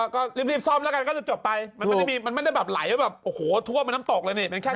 ก็รีบซ่อมแล้วกันก็จะจบไปมันไม่ได้แบบไหลว่าแบบโอ้โหทั่วมันน้ำตกเลยเนี่ย